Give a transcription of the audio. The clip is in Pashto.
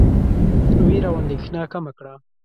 وېره او اندېښنه کمه کړه.